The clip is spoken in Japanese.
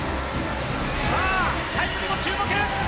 さあ、タイムにも注目。